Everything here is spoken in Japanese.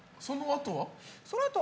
そのあとは？